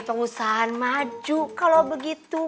perusahaan maju kalau begitu